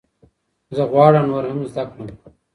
زه غواړم نور هم زده کړم.